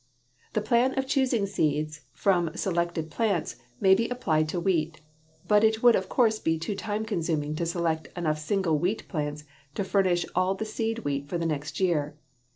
The plan of choosing seeds from selected plants may be applied to wheat; but it would of course be too time consuming to select enough single wheat plants to furnish all of the seed wheat for the next year.